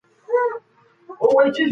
بهرنۍ پالیسي د ملت وقار نه زیانمنوي.